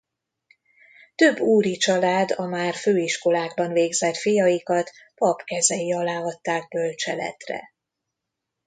Több úri család a már főiskolákban végzett fiaikat Pap kezei alá adták bölcseletre.